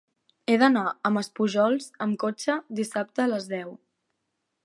He d'anar a Maspujols amb cotxe dissabte a les deu.